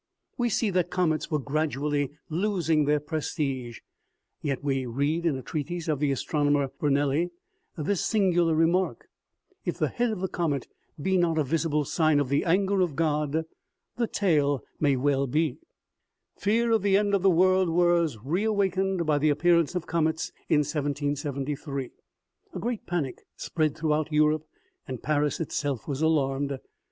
We see that comets were gradually losing their prestige. Yet we read in a treatise of the astronomer Bernouilli this singular remark : "If the head of the comet be not a visible sign of the anger of God, the tail may well be" Fear of the end of the world was reawakened by the appearance of comets in 1773 ; a great panic spread throughout Europe, and Paris itself was alarmed.